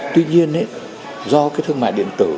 tuy nhiên do thương mại điện tử